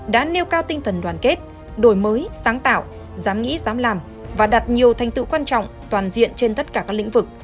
đã nêu cao tinh thần đoàn kết đổi mới sáng tạo dám nghĩ dám làm và đạt nhiều thành tựu quan trọng toàn diện trên tất cả các lĩnh vực